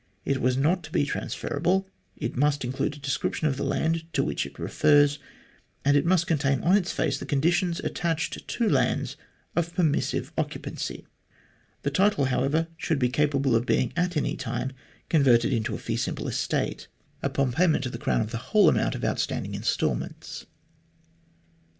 It was not to be transferable ; it must include a description of the land to which it refers ; and it must contain, on its face, the conditions attached to lands of permissive occupancy. The title, however, should be capable of being, at any time, converted into a fee simple estate MR GLADSTONE ENUNCIATES HIS LAND POLICY 33 upon payment to the Crown of the whole amount of out standing instalments.